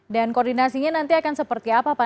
dan koordinasinya nanti akan seperti apa pak